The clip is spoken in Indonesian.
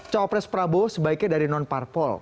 cawapres prabowo sebaiknya dari non parpol